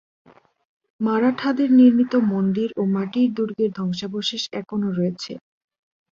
মারাঠাদের নির্মিত মন্দির ও মাটির দুর্গের ধ্বংসাবশেষ এখনও রয়েছে।